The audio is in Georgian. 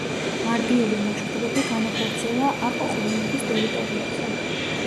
მარბიელი ლაშქრობები განახორციელა აყ-ყოინლუს ტერიტორიებზე.